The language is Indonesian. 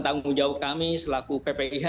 tanggung jawab kami selaku ppih